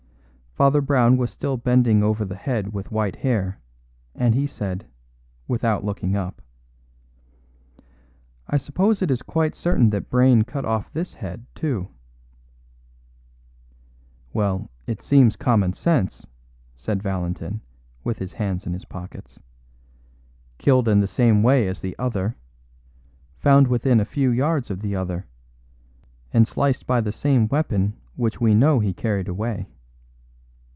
Father Brown was still bending over the head with white hair, and he said, without looking up: "I suppose it is quite certain that Brayne cut off this head, too." "Well, it seems common sense," said Valentin, with his hands in his pockets. "Killed in the same way as the other. Found within a few yards of the other. And sliced by the same weapon which we know he carried away."